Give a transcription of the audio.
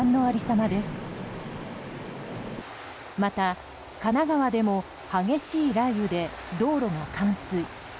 また、神奈川でも激しい雷雨で道路が冠水。